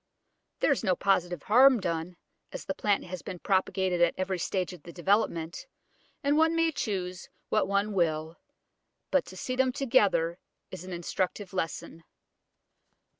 There is no positive harm done, as the plant has been propagated at every stage of development, and one may choose what one will; but to see them together is an instructive lesson.